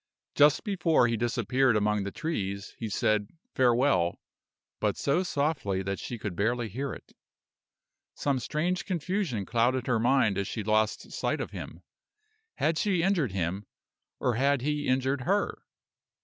Just before he disappeared among the trees, he said "Farewell," but so softly that she could barely hear it. Some strange confusion clouded her mind as she lost sight of him. Had she injured him, or had he injured her?